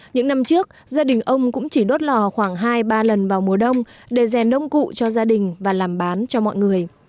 những năm trước gia đình ông cũng chỉ đốt lò khoảng hai ba lần vào mùa đông để rèn nông cụ cho gia đình và làm bán cho mọi người